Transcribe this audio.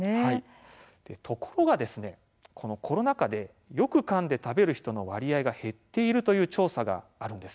ところが、コロナ禍でよくかんで食べる人の割合が減っているという調査があるんです。